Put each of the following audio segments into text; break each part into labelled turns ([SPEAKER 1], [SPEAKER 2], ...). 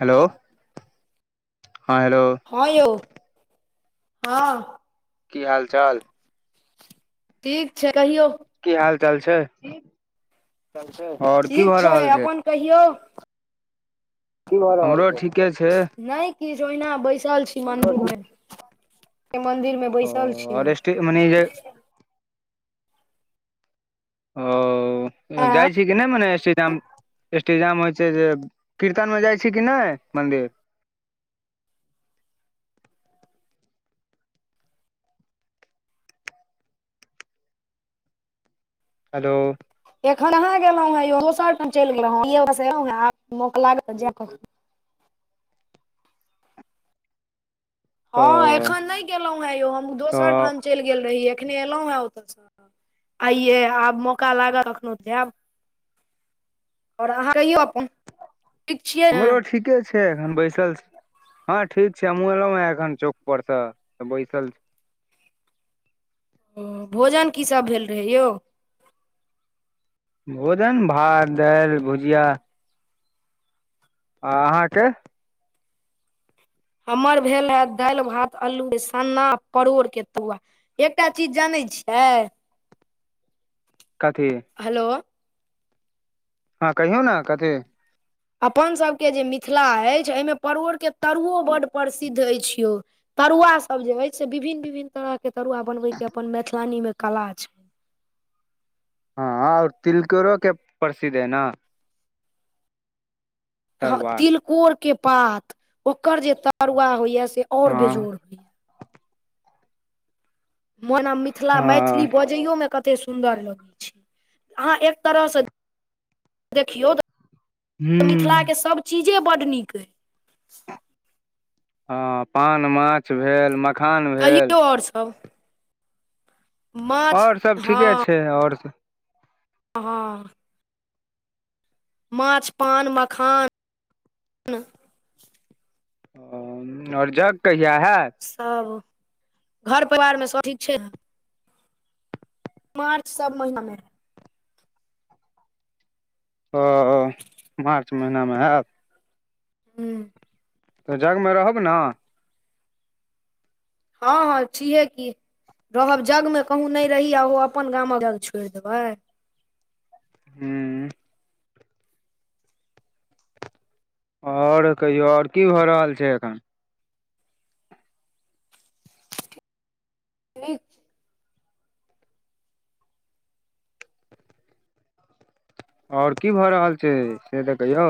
[SPEAKER 1] Hello, हां hello.
[SPEAKER 2] हां यौ हां।
[SPEAKER 1] की हाल-चाल?
[SPEAKER 2] ठीक छै कहियौ?
[SPEAKER 1] की हाल-चाल छै? ठी
[SPEAKER 2] चाल छै, ठीक छै अपन कहियौ? की भै रहल
[SPEAKER 1] हमरो
[SPEAKER 2] छै,
[SPEAKER 1] ठीके
[SPEAKER 2] नै की छै ओयहना बैसल छी मदिर मे, ए मंदिर में बैसल छीयै
[SPEAKER 1] के मैनेजर औ अ
[SPEAKER 2] आ
[SPEAKER 1] जाए छी कि नै मने [unintelligible] अष्टजाम होइ छै जे कीर्तन मे जाइ छी कि नै मंदिर? हेलो,
[SPEAKER 2] एखन अहां गेलौं हे यौ दोसर ठाम चैल गेलौं ई ओतऽ से एलौं हे आब मौका लागत त जेएब। हँ एखन नै गेलहुँ हे यौ हम
[SPEAKER 1] तऽ
[SPEAKER 2] दोसर ठाम चलि गेल रही एखने एलहु हे ओतऽ से आइये आब मौका लागऽ कखनो त जेएब। और अहाँ कहियौ अप्पन?
[SPEAKER 1] हमरो ठीके छै अखन बैसल छी हँ ठीक छै हमहुँ एलहु हें एखन चौक पर सॅं बैसल छी।
[SPEAKER 2] ओ भोजन की सब भेल रहै यौ?
[SPEAKER 1] भोजन भात दायल भुजिया आ अहाँके?
[SPEAKER 2] हमर भेल हे दाइल भात अल्लू के सन्ना परोड़के तुवा। एकटा चीज जनै छियइ?
[SPEAKER 1] कथी?
[SPEAKER 2] हेलो,
[SPEAKER 1] हँ कहियौ ने कथी?
[SPEAKER 2] अपन सबके जे मिथिला अइछ अइमे परोर के तरुवो बड्ड प्रसिद्ध अइछ यौ। तरुवा सब जे अइछ से विभिन्न- विभिन्न तरह के तरुवा बनबै के अपन मैथिलानी मे कला छै।
[SPEAKER 1] हँऽ और तिलकोरो के प्रसिद्ध अइ न।
[SPEAKER 2] हॅं
[SPEAKER 1] तरुआ
[SPEAKER 2] तिलकोर के पात ओकर जे तरुवा होइये से और
[SPEAKER 1] हँ
[SPEAKER 2] बेजोड़। मोना मिथिला -
[SPEAKER 1] हँ
[SPEAKER 2] मैथिली बजैयो मे कते सुन्दर लगै छै अहाँ एक तरह से देखियौ त
[SPEAKER 1] ह्म
[SPEAKER 2] मिथिलाक सब चीजे बड्ड नीक अइ।
[SPEAKER 1] हँ पान माछ भेल म
[SPEAKER 2] कहियौ और सब? माछ
[SPEAKER 1] आओर सब ठीके छै आओर
[SPEAKER 2] हंऽ। माछ पान मखान।
[SPEAKER 1] और जग कहिया हेएत?
[SPEAKER 2] सब घर परिवार मे सब ठीक छै ने? मार्च सब महिना मे
[SPEAKER 1] ओऽ मार्च महिना मे आएब?
[SPEAKER 2] हूं।
[SPEAKER 1] तऽ जग मे रहब नऽ?
[SPEAKER 2] हँ हँ छिहे की। रहब जग मे कहूँ नै रही आ ओहो अपन गामक जग छोइड़ देबै।
[SPEAKER 1] हूँ। आओर कहियौ और की भऽ रहल छै अखन?
[SPEAKER 2] प्ली [inaudible]
[SPEAKER 1] और की भऽ रहल छै से त कहियौ?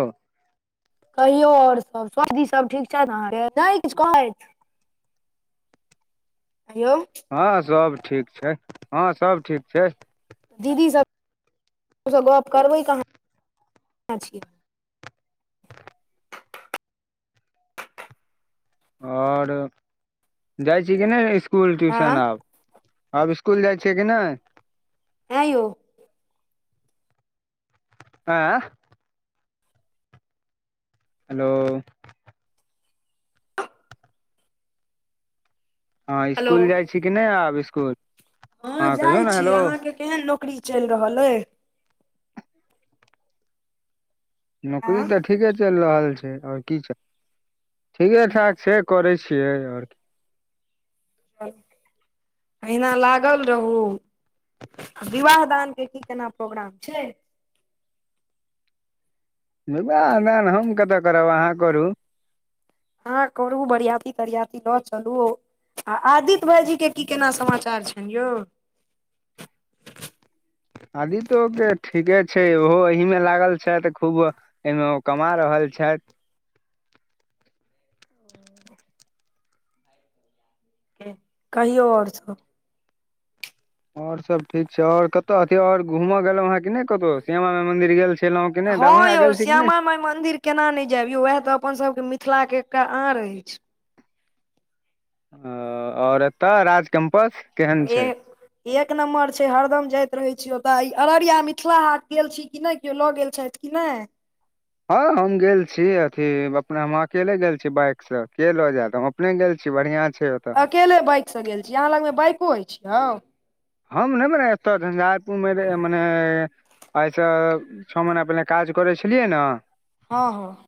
[SPEAKER 2] कहियो आओर सब सबदी सब ठीक छैथ अहाँके नै किछ कहैथ। ऐं यौ।
[SPEAKER 1] हँ सब ठीक छैथ हँ सब ठीक छैथ।
[SPEAKER 2] दीदी सब सँ गप करबै कहाँ छी।
[SPEAKER 1] आओर जाइ छी कि नै स्कूल ट्यूशन
[SPEAKER 2] आँ
[SPEAKER 1] आब? आब स्कुल जाइ छियै कि नै?
[SPEAKER 2] एँ यौ
[SPEAKER 1] आँ हेलो हँ
[SPEAKER 2] हेलो
[SPEAKER 1] इसकुल जाइ छी कि नै आब इसकुल हँ कहियो
[SPEAKER 2] जाइ
[SPEAKER 1] ने
[SPEAKER 2] छी
[SPEAKER 1] हेलो?
[SPEAKER 2] अहाँके केहन नौकरी चैल रहल अइ?
[SPEAKER 1] नौकरी तऽ
[SPEAKER 2] आँ
[SPEAKER 1] ठीके चैल रहल छै ओर की छै। ठीके ठाक छै करै छियै और की।
[SPEAKER 2] अहिना लागल रहू। विवाह दानके की केना प्रोग्राम छै?
[SPEAKER 1] विवाह दान हम कतऽ करब आहाँ करू।
[SPEAKER 2] हँ करू बरयाति -तरियाती ल चलू। आ आदित्य भाई जीके की केना समाचार छैन यौ?
[SPEAKER 1] आदितो के ठीके छै ओहो एहिह मे लागल छैथ खूब। एहिमे ओ कमा रहल छैथि।
[SPEAKER 2] के कहियौ और सब।
[SPEAKER 1] और सब ठीक छै और कतऽ ओर घूमो गेलहुँ हँ की नै? कतौ श्यामा मंदिर गेल छेलौ की नै दरभंगा गेल छी कि नै?
[SPEAKER 2] माय मन्दिर - केना नै जेएब यौ वएह तऽ अपन सबके मिथिला के एकटा आर अइछ।
[SPEAKER 1] और एतऽ राज कैम्पस? केहन
[SPEAKER 2] ए
[SPEAKER 1] छै
[SPEAKER 2] एक नम्बर छै हरदम जाइत रहै छी ओतऽ अररिया मिथिला हाट गेल छी कि नै केओ लऽ गेल छैथ? नैय
[SPEAKER 1] हँ हम गेल छी अथी अपना हम अकेले गेल छी बाइक सऽ केेेए लऽ जेएत हम। अपने गेल छी बढ़ियां छै।
[SPEAKER 2] अकेले बाइक सँ गेल छी आहाँ लग मे बाइको अइछ यौ?
[SPEAKER 1] हम नै एतऽ झंझारपुर मे मने - एहिइसँ छ ओ महिना पहिने काज करै छलियै न?
[SPEAKER 2] हँ हँ।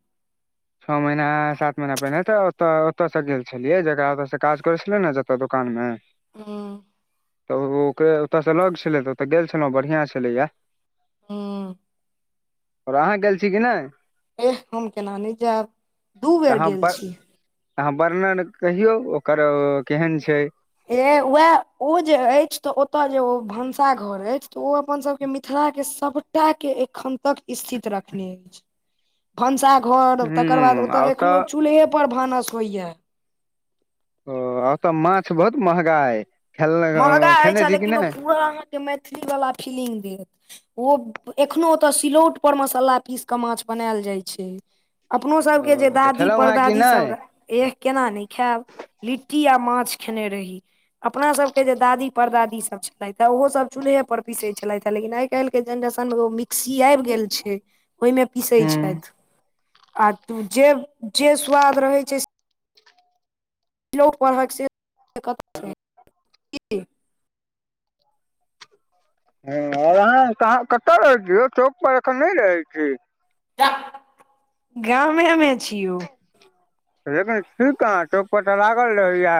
[SPEAKER 1] छ महीना सात महीना पहिनेे तऽ ओतऽ ओतऽ से गेल छेलियै जेकरा ओतऽ से काज करै छलै ने जतऽ दुकान मे-
[SPEAKER 2] हुँ।
[SPEAKER 1] तऽ ओ ओकर ओतऽसँ लग छेलै तऽ ओतऽ गेल छेलौ बढ़िआँ छलैया।
[SPEAKER 2] हूँ।
[SPEAKER 1] और आहाँ गेल छी कि नै?
[SPEAKER 2] एह हम केना नै जेएब।
[SPEAKER 1] तऽ आहाँ बर आहाँ वर्णन कहियौ ओकर केहन छै?
[SPEAKER 2] ए वएह ओ जे अइछ तऽ ओतऽ जे ओ भनसा घर अइछ तऽ ओ अपन सबके मिथिलाक के सब। सबटा के एखन तक स्थित रखने अइछ।
[SPEAKER 1] [inaudible]
[SPEAKER 2] भनसाघर तकर बाद
[SPEAKER 1] हूँ आ
[SPEAKER 2] ओतऽ एखनो चूल्हेपर भानस होइया।
[SPEAKER 1] ओ अतऽ माछ बहुत महगा अइ।
[SPEAKER 2] महँगा
[SPEAKER 1] खेल
[SPEAKER 2] अइछ
[SPEAKER 1] खेने छी कि
[SPEAKER 2] लेकिन ओ
[SPEAKER 1] नहि
[SPEAKER 2] पूरा आहाँके मैथिली वला फीलिंग देत। ओ एखनो ओतऽ सिलौट पर मसाला पीस कऽ माछ बनैल जाइ छै। अपनो सबके जे
[SPEAKER 1] ओ तऽ
[SPEAKER 2] दादी
[SPEAKER 1] खेलहुँ हेँ कि
[SPEAKER 2] परदादी सब
[SPEAKER 1] नहि
[SPEAKER 2] र- एह केना नै खेएब लिट्टी आ माछ खेने रही अपना सब। के जे दादी परदादी सब छेलैथै ओहो सब चूल्हे पर पिसै छलैथै लेकिन आइ कैल के जेनरेशन में ओ मि क्सि आइब गेल छैय ओय में पीसै
[SPEAKER 1] हूँ
[SPEAKER 2] छैथ आ जे-जे स्वाद रहै छैय से सिलौट परहक से कतौ नै की।
[SPEAKER 1] हँ और अहाँ कहाँ कतऽ रहै छी, चौक पर एखन नै रहै छी।
[SPEAKER 2] गामे मे छी यौ।
[SPEAKER 1] लेकिन छी कहाँ चौक पर त लागल रहैया।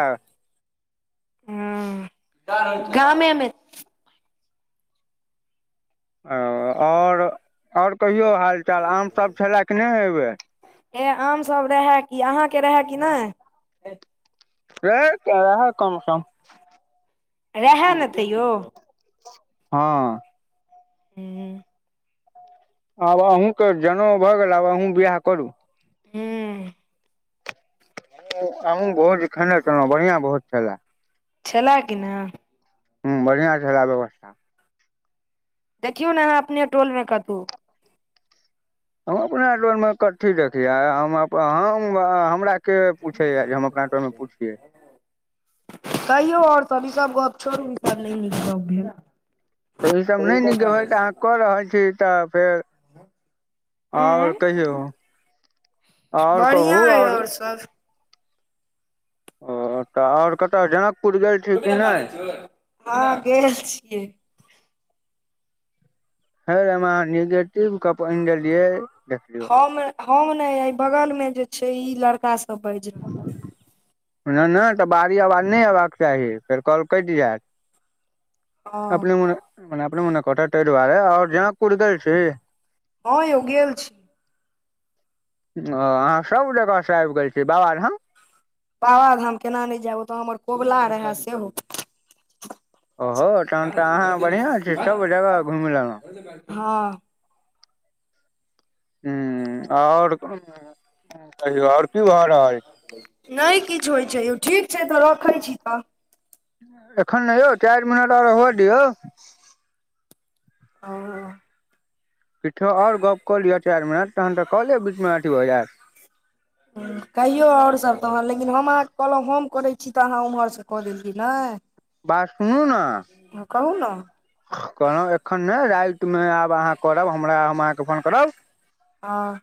[SPEAKER 2] हं गामे मे
[SPEAKER 1] ओ और-और कहियौ हालचाल आमसभ छलै कि नै अय बेर।
[SPEAKER 2] ए आमसभ रहए की अहाँके रहए कि नै।
[SPEAKER 1] रहे त रहै कम सम।
[SPEAKER 2] रहै न तैयौ।
[SPEAKER 1] हँ।
[SPEAKER 2] हं।
[SPEAKER 1] आब अहूँके जनउ भ गेल आब अहूँ बिआह करू।
[SPEAKER 2] हूँ।
[SPEAKER 1] हमु भोज खेने छलौं बढ़िआँ भोज छलै।
[SPEAKER 2] छलै की ने।
[SPEAKER 1] हं बढ़ियां छेला व्यवस्था।
[SPEAKER 2] देखियौ ने अहाँ अपने टोलमे कतौ।
[SPEAKER 1] हम अपना टोलमे कथी देखियै आय हम-हम हमरा के पूछैया जे हम अपना टोलमे पूछियै।
[SPEAKER 2] कहियौ और सब इसभ गप छोड़ू इसभ नै नीक गप भेल।
[SPEAKER 1] त इसभ नै नीक भेल त अहाँ कऽ रहल छी त फेर और कहियौ और कहू
[SPEAKER 2] बढ़िआँ
[SPEAKER 1] और
[SPEAKER 2] [unintelligible]
[SPEAKER 1] ओ त और कत जनक
[SPEAKER 2] हँ गेल छियै।
[SPEAKER 1] हइ अयमे अहाँ निगेटिव गप्प ऐन देलियै देखियौ।
[SPEAKER 2] हम-हम नै एय बगलमे जे छैय इ लड़का सब बाइज रहल।
[SPEAKER 1] नै-नै त बाहरी अवाज नै एबाक चाही फेर कॉल कइट जैत। अपने
[SPEAKER 2] हँ
[SPEAKER 1] मने मने अपने मने कटत तै दुआरे और जनकपूर गेल छी।
[SPEAKER 2] हँ यौ गेल छी।
[SPEAKER 1] ओ अहाँ सब जगह स आइब गेल छी। बाबाधाम
[SPEAKER 2] बाबाधाम केना नै जैब ओतऽ हमर कोबला रहै सेहो।
[SPEAKER 1] ओहो तहन त अहाँ बढ़ियां छी सब जगह घुइम लेलौं।
[SPEAKER 2] हँ।
[SPEAKER 1] हं और कहियौ और की भ रहल
[SPEAKER 2] नै किछ होइ छैय यौ ठीक छैय त रखै छी त।
[SPEAKER 1] एखन नै यौ चाइर मिनट आर हुअऽ दियौ।
[SPEAKER 2] हँ।
[SPEAKER 1] किछो और गप कऽ लिअ चाइर मिनट तहन त कॉले बीचमे अथी भ जैत।
[SPEAKER 2] कहियौ और सभ तहन लेकिन हम अहाँके कहलौं हम करै छी त अहाँ ओम्हरसँ क देलियै नै।
[SPEAKER 1] बात
[SPEAKER 2] हँ कहू न।
[SPEAKER 1] कहलौं एखन नै राइत में आब अहाँ करब हमरा हम अहाँके फोन करब
[SPEAKER 2] ह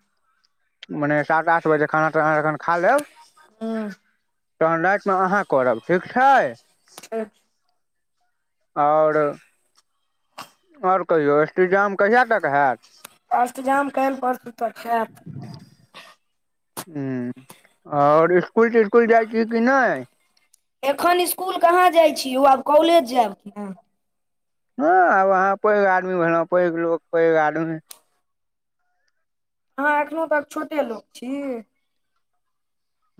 [SPEAKER 1] मने सात आठ बजे खाना ताना तन खा लेब
[SPEAKER 2] ह
[SPEAKER 1] तहन राईत मे अहाँ करब ठीक छै
[SPEAKER 2] ह
[SPEAKER 1] आओर आओर कहियौ स्ष्टिजाम कहिया तक हैत
[SPEAKER 2] असतजाम करै लए पड़तै तऽ खत
[SPEAKER 1] ह आओर इसकुल तिस्कुल जाइ छी कि नहि
[SPEAKER 2] एखन इसकुल कहाँ जाइ छीिय ओ आब कॉलेज जायब कि ने
[SPEAKER 1] ह आब अहाँ पैघ आदमी भेलहु पैघ लोकोग पैघ आदमी
[SPEAKER 2] अहाँ एखनो तक छोटे लोक छी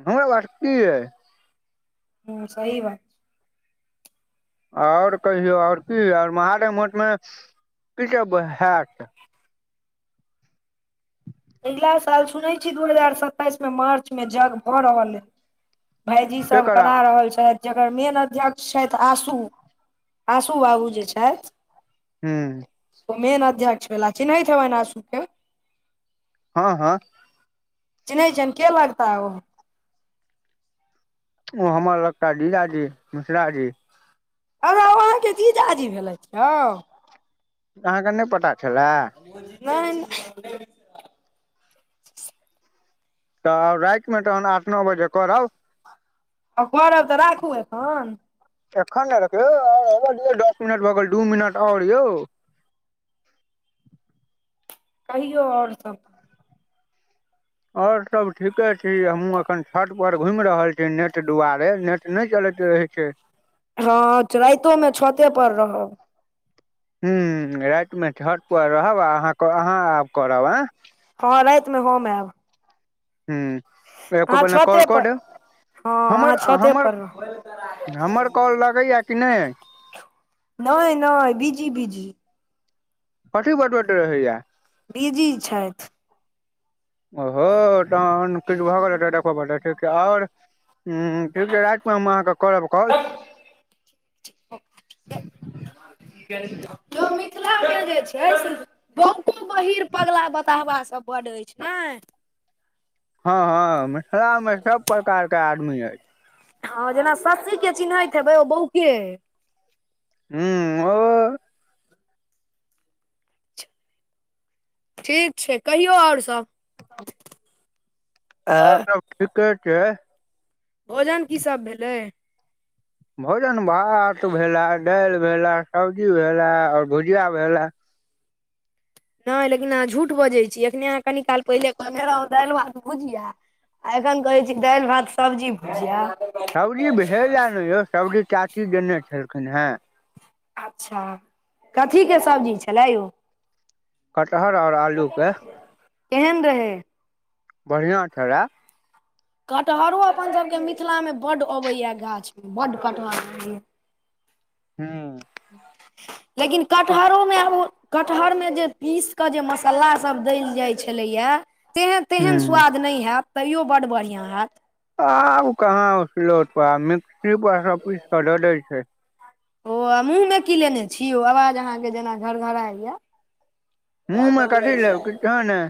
[SPEAKER 1] हमरा बटकीै
[SPEAKER 2] हूँ सही बात
[SPEAKER 1] आओर कहियौ आओर की आर महादेठमे की सब हयत
[SPEAKER 2] अगिला साल सुनै छी दू हजार सताइस मे मार्च मे यज्ञ भऽ रहल अ भायजी सब करा रहल छथि जकर मेन अध्यक्ष छथि आशू आशू बाबू जे छथि
[SPEAKER 1] हू
[SPEAKER 2] मेन अध्यक्ष भेलला चिन्हहि हे सुके
[SPEAKER 1] हँ हँ
[SPEAKER 2] चिन्है छियनि के लगताह ओहो
[SPEAKER 1] ओ हमर लगता दीदाजी मिश्राजी
[SPEAKER 2] अ अहाँके तऽ ईजाजी भेलै छौ
[SPEAKER 1] अहाँके नहि पता छलए
[SPEAKER 2] न
[SPEAKER 1] तऽ रातिमे तहन आठ नओ बजे करब
[SPEAKER 2] आ करब तऽ राखू एखन
[SPEAKER 1] एखन ने रौ दस मिनट भगल दू मिनट आओर यौ
[SPEAKER 2] कहियौ आओर सब
[SPEAKER 1] और सब ठीके छी हमूँ अखन छठ पर घुमि रहल छी नेट दुआारे नेट नहि चलैत रहै छै।
[SPEAKER 2] हँ राइतो में छते पर रहब
[SPEAKER 1] ह रातिमे छठ पआर रहब अहाँ आब करब आ
[SPEAKER 2] हँ रातिमे हो आयब
[SPEAKER 1] ह कोइ
[SPEAKER 2] अहाँ
[SPEAKER 1] ब
[SPEAKER 2] छते
[SPEAKER 1] कोॉल क
[SPEAKER 2] पर
[SPEAKER 1] दौ
[SPEAKER 2] हँ
[SPEAKER 1] हमर
[SPEAKER 2] अहाँ छते
[SPEAKER 1] हमर
[SPEAKER 2] पर रहब
[SPEAKER 1] हमर कॉल लगैया कि नहि
[SPEAKER 2] नहि न बीजी बीजी
[SPEAKER 1] पटी बट रह होैया
[SPEAKER 2] बिजी छथि
[SPEAKER 1] ओहो त किु भ कल त कह ब त ठ आओर ठ रातिमे हम अहाँके कोलब कल
[SPEAKER 2] लोक मिथिलाके जे छै से बहुतो बहीर पगला बताबाँ बड अछि ने
[SPEAKER 1] हँ हँ मिथिला मे सब प्रकार क आदमी अइ।
[SPEAKER 2] हँ जेना शसीे के चिन्हैत हेबै ओ बौके अइ।
[SPEAKER 1] हूॅं ओ।
[SPEAKER 2] ठीक छै कहियौ और सब?
[SPEAKER 1] [inaudible]
[SPEAKER 2] आ
[SPEAKER 1] और सब ठीके छै।
[SPEAKER 2] भोजन की सब भेलै?
[SPEAKER 1] भोजन भात भेल ए दालि भेल ए सब्जी भेल ए और भुजिया भेल ए।
[SPEAKER 2] नै लेकिन अहाँ झूठ बजै छी एखने अहाँ कनि काल पहिले कहने रहौं दाइल भात भुजिया। आ एखन कहै छी दाइल भात सब्जी भुजिया।
[SPEAKER 1] सब्जी भेल ए नै यौ सब्जी चाची देने छलखिन हें।
[SPEAKER 2] अच्छा कथी के सब्जी छले यौ?
[SPEAKER 1] कटहर और आलू के
[SPEAKER 2] केहेन रहै?
[SPEAKER 1] बढ़ियां छले।
[SPEAKER 2] कटहरो अपन सबके मिथिला मे बड्ड अबैये गाछ मे बड्ड कटहर रहै।
[SPEAKER 1] हूॅं।
[SPEAKER 2] लेकिन कटहरो मे आब ओ कटहरमे जे पीस कऽ जे मसल्ला सब दैल जाइ छलैये तेह - तेहेन
[SPEAKER 1] ह
[SPEAKER 2] स्वाद नै हेए तैयो बड्ड बढ़ियां हेएत।
[SPEAKER 1] आब कहाँ ओ सिलौट पर आब मिक्सी पर सब पीस क दऽ दै छै।
[SPEAKER 2] ओ आ मुँह मे की लेने छी यौ आवाज अहाँके जेना घरघराइ ये।
[SPEAKER 1] मुंह मे कथी लेब किछो नै।